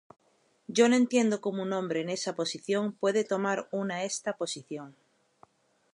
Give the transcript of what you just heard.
Yo no entiendo cómo un hombre en esa posición puede tomar una esta posición".